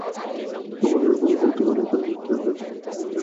অপরুপ রুপবতী একটি বালিকার মুখ, যাকে কখনো পুরোপুরি চেনা যায় না।